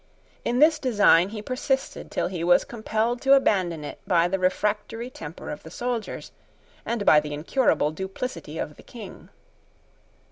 In this design he persisted till he was compelled to abandon it by the refractory temper of the soldiers, and by the incurable duplicity of the King.